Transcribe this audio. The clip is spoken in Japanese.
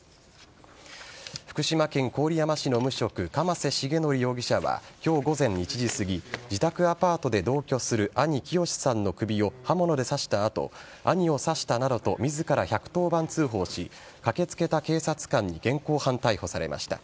福島県郡山市の無職鎌瀬重則容疑者は今日午前１時すぎ自宅アパートで同居する兄・喜好さんの首を刃物で刺した後兄を刺したなどと自ら１１０番通報し駆けつけた警察官に現行犯逮捕されました。